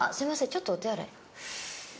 ちょっとお手洗い。